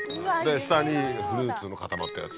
下にフルーツの固まったやつ。